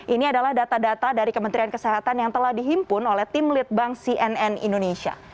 ini adalah data data dari kementerian kesehatan yang telah dihimpun oleh tim litbang cnn indonesia